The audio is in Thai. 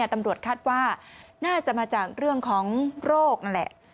ตำรวจคาดว่าน่าจะมาจากเรื่องของโรคนั่นแหละ